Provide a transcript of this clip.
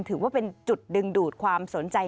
ถือว่าเป็นจุดดึงดูดความสนใจ